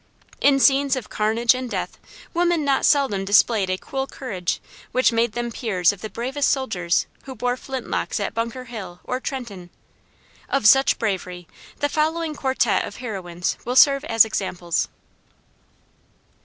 In scenes of carnage and death women not seldom displayed a cool courage which made them peers of the bravest soldiers who bore flint locks at Bunker Hill or Trenton. Of such bravery, the following quartette of heroines will serve as examples.